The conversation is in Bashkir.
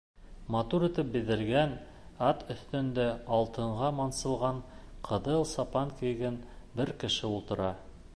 Матур итеп биҙәлгән ат өҫтөндә алтынға мансылған ҡыҙыл сапан кейгән бер кеше ултыра.